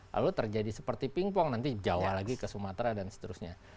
lalu terjadi seperti pingpong nanti jawa lagi ke sumatera dan seterusnya